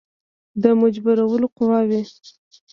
د مجبورولو قواوي.